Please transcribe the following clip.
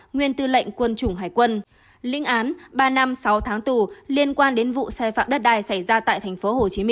nguyên tư lệnh quân chủng hải quân linh án ba năm sáu tháng tù liên quan đến vụ sai phạm đất đai xảy ra tại tp hcm